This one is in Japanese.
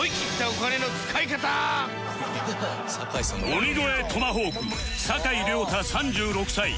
鬼越トマホーク坂井良多３６歳